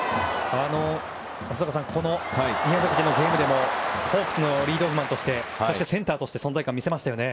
松坂さん、宮崎でのゲームでもホークスのリードオフマンとしてそしてセンターとして存在感を見せましたよね。